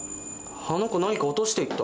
あの子何か落としていった。